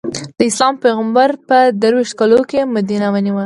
د اسلام پېغمبر په درویشت کالو کې مدینه ونیو.